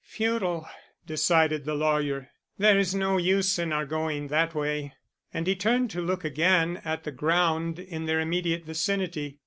"Futile," decided the lawyer. "There is no use in our going that way." And he turned to look again at the ground in their immediate vicinity.